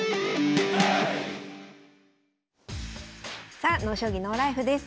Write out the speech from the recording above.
さあ「ＮＯ将棋ＮＯＬＩＦＥ」です。